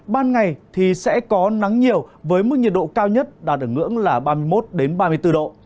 ban ngày thì sẽ có nắng nhiều với mức nhiệt độ cao nhất đạt ở ngưỡng là ba mươi một ba mươi bốn độ